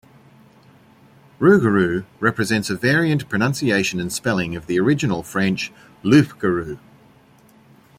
Rougarou represents a variant pronunciation and spelling of the original French "loup-garou".